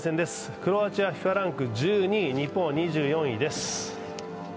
クロアチアＦＩＦＡランク１２位、日本は２４位です。